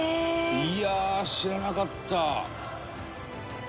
「いやー知らなかった」